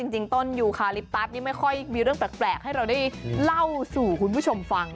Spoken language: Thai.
จริงต้นยูคาลิปตัสนี่ไม่ค่อยมีเรื่องแปลกให้เราได้เล่าสู่คุณผู้ชมฟัง